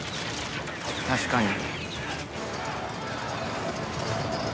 確かに。